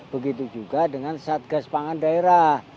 begitu juga dengan satgas pangan daerah